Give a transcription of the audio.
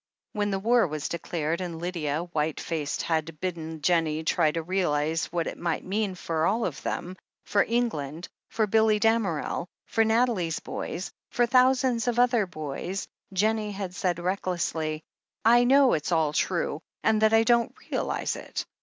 When war was declared, and Lydia, white faced, had bidden Jennie try to realize what it might mean for all of them — for England — for Billy Damerel — for Nathalie's boys — for thousands of other boys — ^Jennie had said recklessly : "I know it's all true, and that I don't realize it.